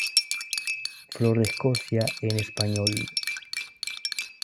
Flor de Escocia, en español.